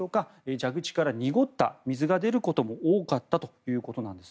蛇口から濁った水が出ることも多かったということです。